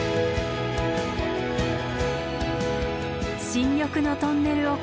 新緑のトンネルをくぐり